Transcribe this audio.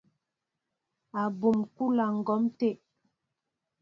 Abum kúla ŋgǒm té.